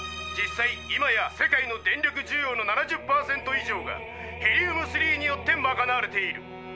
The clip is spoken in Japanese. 実際今や世界の電力需要の７０％以上がヘリウム３によってまかなわれている。